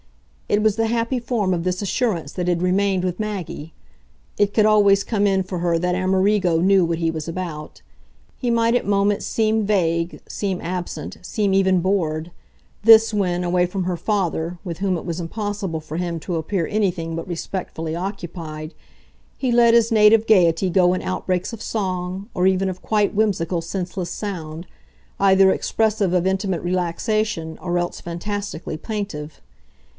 It was the happy form of this assurance that had remained with Maggie; it could always come in for her that Amerigo knew what he was about. He might at moments seem vague, seem absent, seem even bored: this when, away from her father, with whom it was impossible for him to appear anything but respectfully occupied, he let his native gaiety go in outbreaks of song, or even of quite whimsical senseless sound, either expressive of intimate relaxation or else fantastically plaintive.